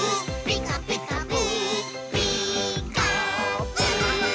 「ピカピカブ！」